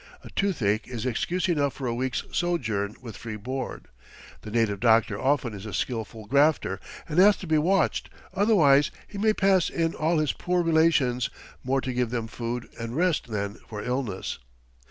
A toothache is excuse enough for a week's sojourn with free board. The native doctor often is a skilful grafter, and has to be watched, otherwise he may pass in all his poor relations, more to give them food and rest than for illness.